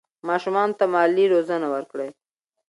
ماشومانو ته مالي روزنه ورکړئ.